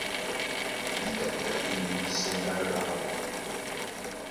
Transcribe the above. Níka e tá e liŋgisɛ ɓána ɓáō.